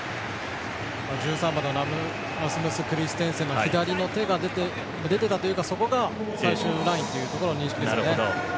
１３番のラスムス・クリステンセンの左の手が出ていたというかそこが最終ラインという認識ですよね。